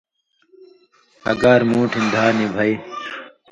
اگار مُوٹھِن دھا نی بھئ۔